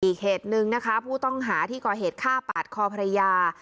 อีกเหตุหนึ่งนะคะผู้ต้องหาที่ก่อเหตุฆ่าปาดคอภรรยา